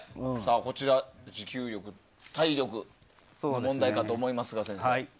こちら、持久力、体力が問題かと思いますが。